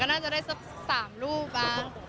ก็น่าจะได้๓รูปนะ